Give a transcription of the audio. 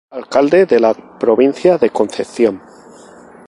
Alcalde de la Provincia de Concepción.